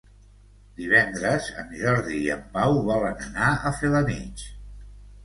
Divendres en Jordi i en Pau volen anar a Felanitx.